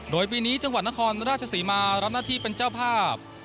โดยปีนี้จังหวัดนครราชศรีมารับหน้าที่เป็นเจ้าภาพ